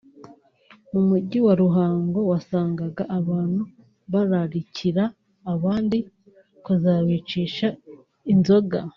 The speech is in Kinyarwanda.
mu mujyi wa Ruhango wasangaga abantu bararikira abandi kuzabicisha inzoga